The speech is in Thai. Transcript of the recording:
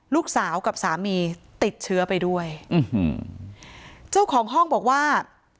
ลูกสาวกับสามีติดเชื้อไปด้วยอืมเจ้าของห้องบอกว่า